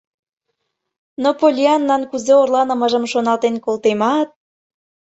Но Поллианнан кузе орланымыжым шоналтен колтемат...